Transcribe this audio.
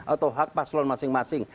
atau hak paslon masing masing